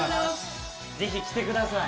ぜひ着てください。